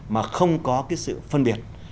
mà không có cái sự phân biệt